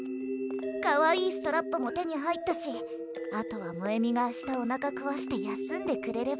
かわいいストラップも手に入ったしあとは萌美が明日おなかこわして休んでくれれば。